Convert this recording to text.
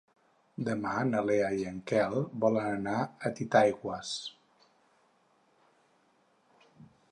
Demà na Lea i en Quel volen anar a Titaigües.